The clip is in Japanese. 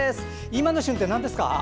今の旬ってなんですか？